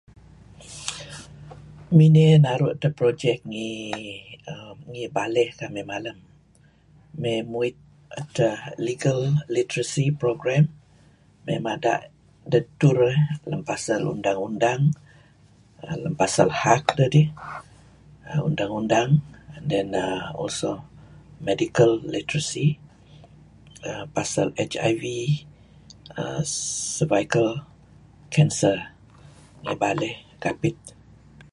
Miney naru' edtah projek ngi Balleh kamih malem, mey muit edtah Legal Literacy Program mey mada' dedtur eh lem pasal Undang-Undang lem pasal hak dedih, undang-undan and also Medical Literacy Program pasal HIV Cervical cancer ngi Balleh, Kapit.